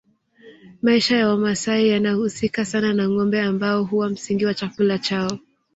Maisha ya Wamasai yanahusika sana na ngombe ambao huwa msingi wa chakula chao